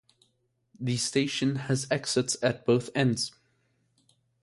The station has exits at both ends.